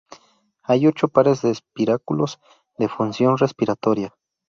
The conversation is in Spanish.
Hay ocho pares de espiráculos de función respiratoria.